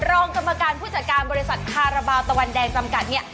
รองกรรมการผู้จัดการบริษัทคาราบาลตะวันแดงจำกัดเนี่ย